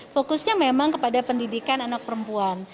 fokusnya memang kepada pendidikan anak perempuan